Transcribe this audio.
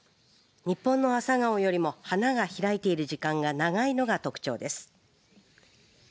日本のアサガオよりも花が開いてる時間が長いのが特徴です。